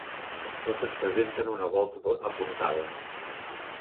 Totes presenten una volta apuntada.